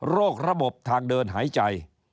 โรคระบบทางเดินหายใจ